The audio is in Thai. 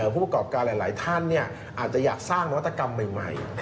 ผู้ประกอบการหลายท่านอาจจะอยากสร้างนวัตกรรมใหม่